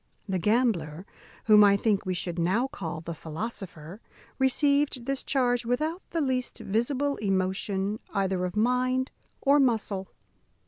The gambler, whom I think we should now call the philosopher, received this charge without the least visible emotion either of mind or muscle.